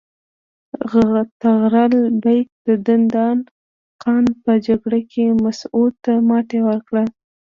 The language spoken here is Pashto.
طغرل بیګ د دندان قان په جګړه کې مسعود ته ماتې ورکړه.